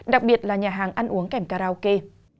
đặc biệt là nhà hàng ăn uống kèm karaoke